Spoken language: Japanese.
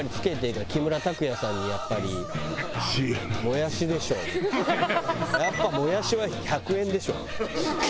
「やっぱもやしは１００円でしょ」。